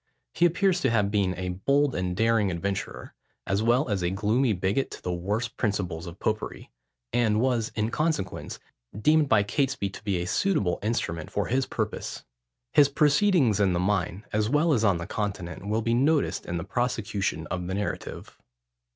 He appears to have been a bold and daring adventurer, as well as a gloomy bigot to the worst principles of popery; and was, in consequence, deemed by Catesby to be a suitable instrument for his purpose. His proceedings in the mine, as well as on the Continent, will be noticed in the prosecution of the narrative.